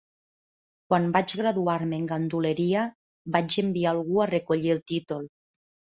Quan vaig graduar-me en ganduleria, vaig enviar algú a recollir el títol.